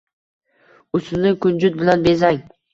Ustini kunjut bilan bezang